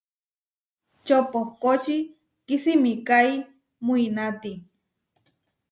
Čopohkóči kisimikái muináti.